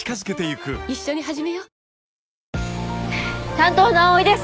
担当の蒼井です。